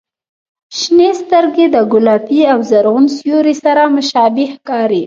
• شنې سترګې د ګلابي او زرغون سیوري سره مشابه ښکاري.